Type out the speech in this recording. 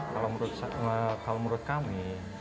kalau menurut kami